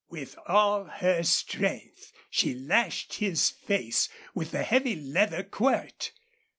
With all her strength she lashed his face with the heavy leather quirt.